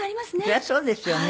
そりゃそうですよね。